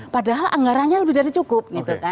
padahal anggarannya lebih dari cukup